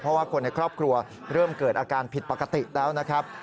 เพราะว่าคนในครอบครัวเริ่มเกิดอาการผิดปกติแล้วนะครับ